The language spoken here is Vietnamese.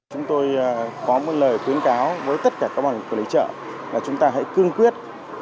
chúng tôi có một lời khuyến cáo với tất cả các bàn quản lý chợ là chúng ta hãy cương quyết